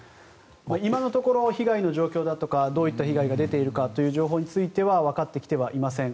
今のところ被害の状況だとかどういった被害が出ているかといった情報についてはわかってきてはいません。